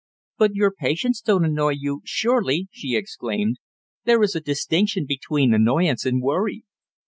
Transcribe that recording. "But your patients don't annoy you, surely," she exclaimed. "There is a distinction between annoyance and worry."